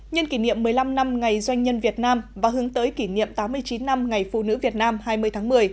nhân kỷ niệm một mươi năm năm ngày doanh nhân việt nam và hướng tới kỷ niệm tám mươi chín năm ngày phụ nữ việt nam hai mươi tháng một mươi